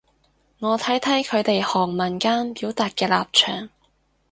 我睇睇佢哋行文間表達嘅立場